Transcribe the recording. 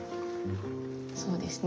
そうですね